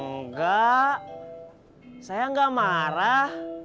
enggak saya enggak marah